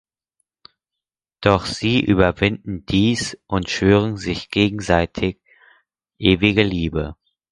Doch sie überwinden dies und schwören sich gegenseitig ewige Liebe.